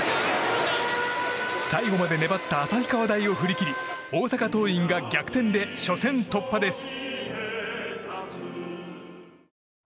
最後まで粘った旭川大を振り切り大阪桐蔭が逆転で初戦突破です。